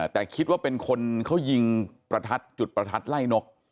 แต่คิดว่าเป็นคนเขายิงประทัดจุดประทัดไล่นก